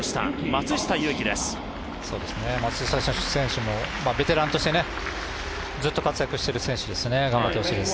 松下選手もベテランとして、ずっと活躍してる選手ですね。